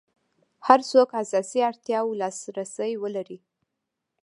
هر څوک اساسي اړتیاوو لاس رسي ولري.